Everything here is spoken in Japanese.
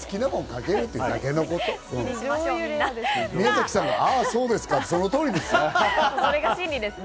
宮崎さんがあそうですかってその通りですよ。